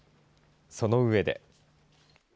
その上で。